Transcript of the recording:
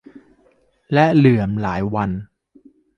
และเลื่อมลายวรรณ